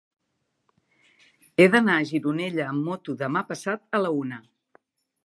He d'anar a Gironella amb moto demà passat a la una.